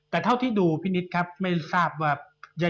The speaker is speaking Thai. แต่เท่าที่ดูพี่นิดครับไม่ทราบว่า